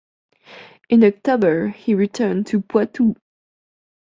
In October he returned to Poitou.